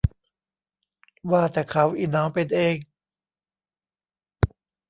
ว่าแต่เขาอิเหนาเป็นเอง